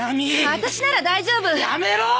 私なら大丈夫やめろォ！